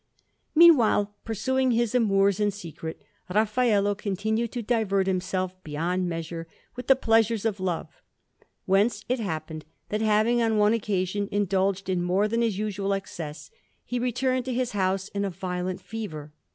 Meanwhile, pursuing his amours in secret, Raffaello continued to divert himself beyond measure with the pleasures of love; whence it happened that, having on one occasion indulged in more than his usual excess, he returned to his house in a violent fever.